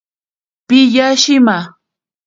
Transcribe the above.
Piya shima.